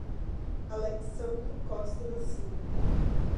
Alexsandro Costa da Silva